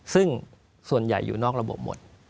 ซึ่งส่วนใหญ่อยู่นอกระบบหมด